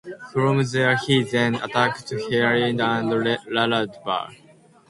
From there, he then attacked Haripur and Ralaba.